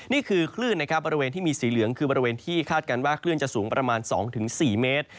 นี่คือคลื่นนะครับบริเวณที่มีสีเหลืองคือบริเวณที่คาดการณ์ว่าคลื่นจะสูงประมาณ๒๔เมตร